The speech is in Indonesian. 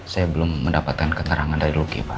saya belum mendapatkan keterangan dari luki pak